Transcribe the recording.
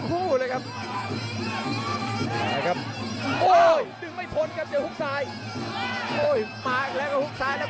กระโดยสิ้งเล็กนี่ออกกันขาสันเหมือนกันครับ